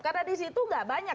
karena di situ tidak banyak